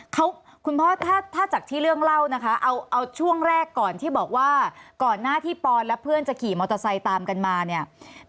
เขาคุณพ่อถ้าถ้าจากที่เรื่องเล่านะคะเอาช่วงแรกก่อนที่บอกว่าก่อนหน้าที่ปอนและเพื่อนจะขี่มอเตอร์ไซค์ตามกันมาเนี่ย